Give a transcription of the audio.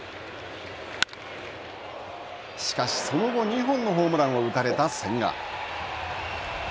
しかし、その後２本のホームランを打たれた千賀。